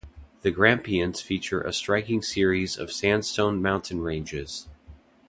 The Grampians feature a striking series of sandstone mountain ranges.